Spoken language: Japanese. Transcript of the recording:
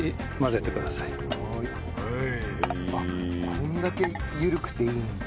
こんだけ緩くていいんだ。